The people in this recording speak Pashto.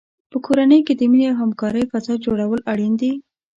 په کورنۍ کې د مینې او همکارۍ فضا جوړول اړین دي.